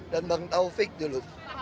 dan bang taufik dulu